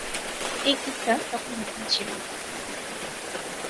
এই গ্রুপটা তখন নতুন ছিল।